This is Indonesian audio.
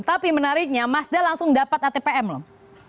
tapi menariknya mazda langsung dapat atpm loh